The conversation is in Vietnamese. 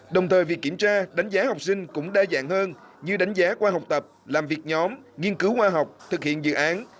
đồng thời việc kiểm tra đánh giá học sinh cũng đa dạng hơn như đánh giá qua học tập làm việc nhóm nghiên cứu khoa học thực hiện dự án